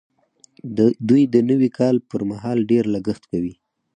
دوی د نوي کال پر مهال ډېر لګښت کوي.